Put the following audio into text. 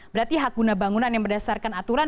berarti hak guna bangunan yang berdasarkan aturan